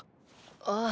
ああ。